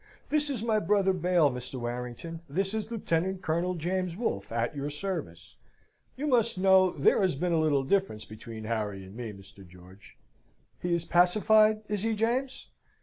"This is my brother bail, Mr. Warrington! This is Lieutenant Colonel James Wolfe, at your service. You must know there has been a little difference between Harry and me, Mr. George. He is pacified, is he, James?"